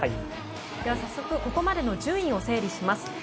早速、ここまでの順位を整理します。